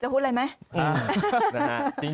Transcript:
พูดอะไรไหม